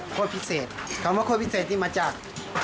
พิเศษคำว่าโคตรพิเศษนี่มาจาก